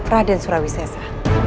raden surawi sesa